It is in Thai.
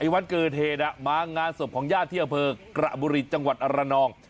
วันเกิดเหตุมางานศพของญาติที่อำเภอกระบุรีจังหวัดอรนอง